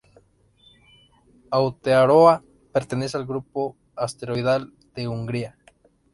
Aotearoa pertenece al grupo asteroidal de Hungaria.